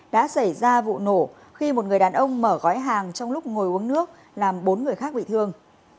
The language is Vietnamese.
đã xảy ra vụ nổ khi một người đàn ông mở gói hàng trong lúc ngồi uống nước làm bốn người khác bị thương